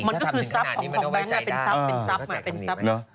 มันก็คือซับของแบงค์เป็นซับ